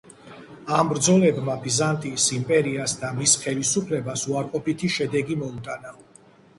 ამ ბრძოლებმა ბიზანტიის იმპერიას და მის ხელისუფლებას უარყოფითი შედეგი მოუტანა.